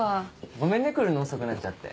ごめんね来るの遅くなっちゃって。